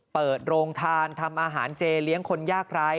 เปิดโรงทานทำอาหารเจเลี้ยงคนยากไร้